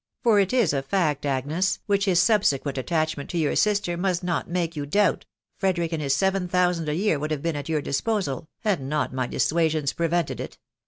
. for it is a fact, Agnes, which his subsequent attachment to your sister must not make you doubt, Frederick and his seven thousand a year would have been at your disposal, had not my dissuasions pre vented it ••